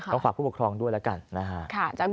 ก็ฝากผู้ปกครองด้วยแล้วกันนะฮะ